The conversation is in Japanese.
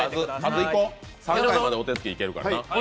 数いこ、お手つきいけるからな。